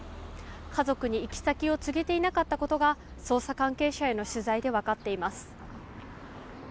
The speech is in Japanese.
家族に行き先を告げていなかったことが捜査関係者への取材で分かっています。